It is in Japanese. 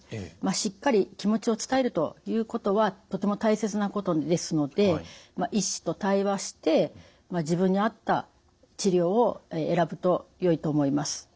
しっかり気持ちを伝えるということはとても大切なことですので医師と対話して自分に合った治療を選ぶとよいと思います。